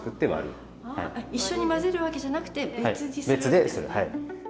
一緒に混ぜるわけじゃなくて別にするんですね。